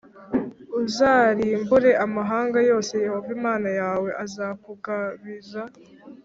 Uzarimbure amahanga yose Yehova Imana yawe azakugabiza,